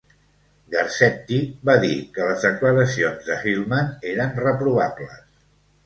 Garcetti va dir que les declaracions de Hillmann eren reprovables.